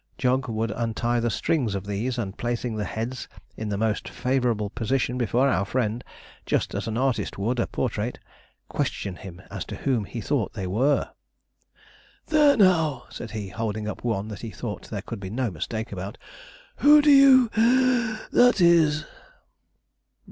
Jog would untie the strings of these, and placing the heads in the most favourable position before our friend, just as an artist would a portrait, question him as to whom he thought they were. 'There, now (puff),' said he, holding up one that he thought there could be no mistake about; 'who do you (wheeze) that is?'